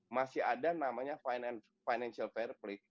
masih ada namanya financial fair play